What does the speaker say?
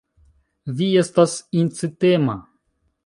Vi estas incitema.